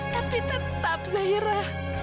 tapi tetap zaira